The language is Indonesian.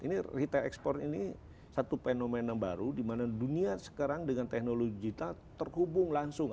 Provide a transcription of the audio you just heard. ini retail ekspor ini satu fenomena baru di mana dunia sekarang dengan teknologi kita terhubung langsung